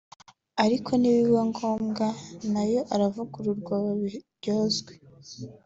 ariko nibiba ngombwa na yo aravugururwa babiryozwe